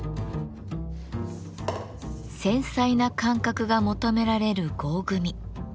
繊細な感覚が求められる合組。